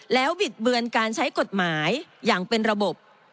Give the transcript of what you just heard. แล้วบิดเบือนการใช้กฎหมายอย่างเป็นระบบ